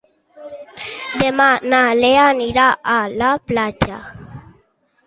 Demà na Lea anirà a la platja.